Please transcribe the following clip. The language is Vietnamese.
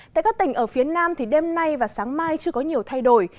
tại các tỉnh ở phía nam đêm nay và sáng mai chưa có nhiều thay đổi